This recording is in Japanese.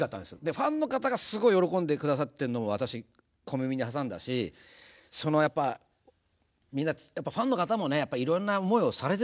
ファンの方がすごい喜んで下さってるのを私小耳に挟んだしそのやっぱみんなファンの方もねいろんな思いをされてると思うんです。